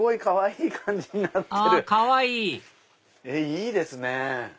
いいですね。